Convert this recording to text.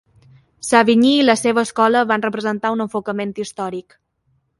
Savigny i la seva escola van representar un enfocament històric.